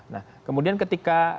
nah kemudian ketika